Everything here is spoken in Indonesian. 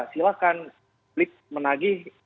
silahkan publik menagih